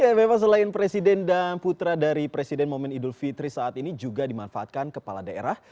ya memang selain presiden dan putra dari presiden momen idul fitri saat ini juga dimanfaatkan kepala daerah